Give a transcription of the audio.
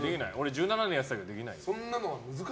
１７年やってたけど、できない。